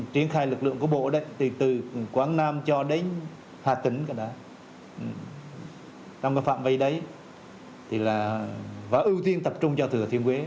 triển khai lực lượng của bộ từ quảng nam cho đến hà tĩnh trong phạm vây đấy và ưu tiên tập trung cho thừa thiên huế